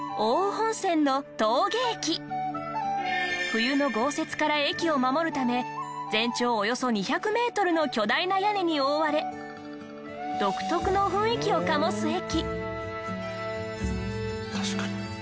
冬の豪雪から駅を守るため全長およそ２００メートルの巨大な屋根に覆われ独特の雰囲気を醸す駅。